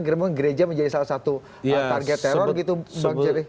gerbong gereja menjadi salah satu target teror gitu bang jerry